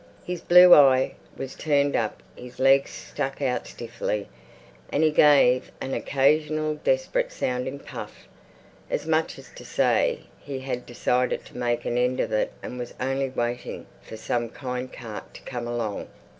His blue eye was turned up, his legs stuck out stiffly, and he gave an occasional desperate sounding puff, as much as to say he had decided to make an end of it and was only waiting for some kind cart to come along.